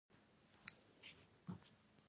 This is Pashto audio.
د شلګر د نوم اصل او ریښه: